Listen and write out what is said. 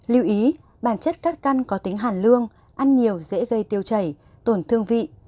lưu ý bản chất các căn có tính hàn lương ăn nhiều dễ gây tiêu chảy tổn thương vị